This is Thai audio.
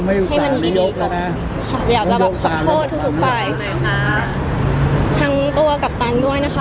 อยากจะขอโทษทุกฝ่ายทั้งตัวกัปตันด้วยนะคะ